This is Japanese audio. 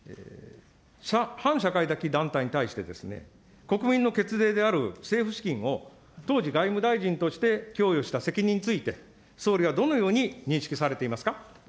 反社会的団体に対して、国民の血税である政府資金を、当時、外務大臣として供与した責任について、総理はどのように認識されていますか。